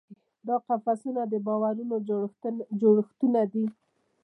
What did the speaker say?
دا قفسونه د باورونو جوړښتونه دي.